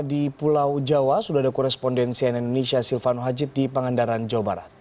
di pulau jawa sudah ada korespondensi dari indonesia silvano haji di pangandaran jawa barat